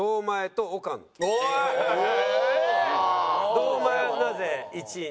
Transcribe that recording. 堂前はなぜ１位に？